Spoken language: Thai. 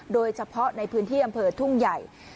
โดยเฉพาะในพื้นที่อำเภอทุ่งใหญ่